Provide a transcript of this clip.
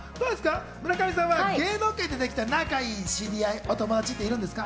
村上さんは芸能界でできた知り合い、友達いるんですか？